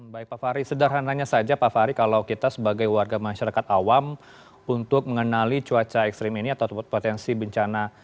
baik pak fahri sederhananya saja pak fahri kalau kita sebagai warga masyarakat awam untuk mengenali cuaca ekstrim ini atau potensi bencana